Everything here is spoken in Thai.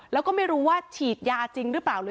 แล้วก็ไม่รู้ว่าฉีดยาจริงหรือเปล่า